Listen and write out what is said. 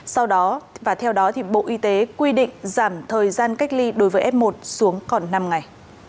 sau đó bộ y tế quy định giảm thời gian cách ly đối với f một xuống còn năm ngày